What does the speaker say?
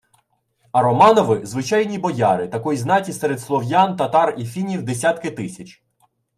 А Романови – звичайні бояри, такої знаті серед слов'ян, татар і фінів – десятки тисяч